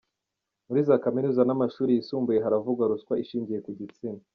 Muri za Kaminuza n’amashuri yisumbuye haravugwa ruswa ishingiye ku gitsina